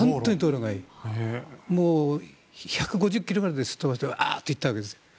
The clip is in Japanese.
もう、１５０ｋｍぐらい飛ばしてワーッと行ったわけです。